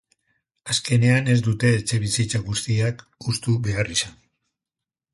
Azkenean ez dute etxebizitza guztiak hustu behar izan.